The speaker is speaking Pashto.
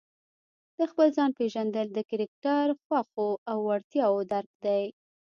د خپل ځان پېژندل د کرکټر، خوښو او وړتیاوو درک دی.